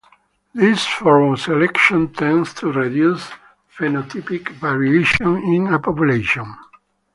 This form of selection tends to reduce phenotypic variation in a population.